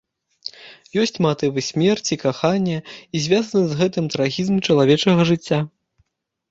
Ёсць матывы смерці, кахання і звязаны з гэтым трагізм чалавечага жыцця.